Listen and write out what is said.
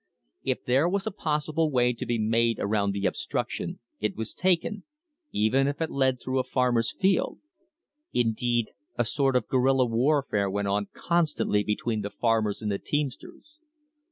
If there was a possible way to be made around the obstruction it was taken, even if it led through a farmer's field. Indeed, a sort of guerilla warfare went on constantly between the farmers and the teamsters.